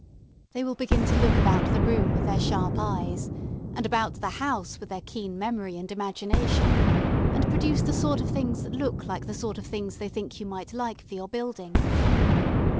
They will begin to look about the room with their sharp eyes and about the house with their keen memory and imagination, and produce the sort of things that look like the sort of things they think you might like for your building.